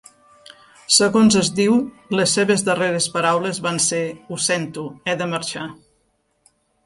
Segons es diu, les seves darreres paraules van ser: Ho sento, he de marxar.